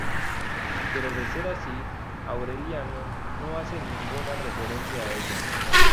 Pero de ser así, Aureliano no hace ninguna referencia a ellas.